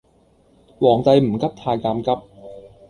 皇帝唔急太監急